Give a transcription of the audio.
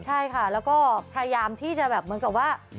ใช่ค่ะแล้วก็พยายามที่จะแบบเหมือนกับว่า